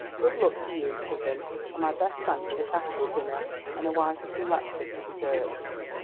Good luck to you, cousin, and my best thanks for a capital dinner and a wise little lecture for dessert."